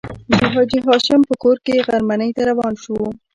د حاجي هاشم په کور کې غرمنۍ ته روان شوو.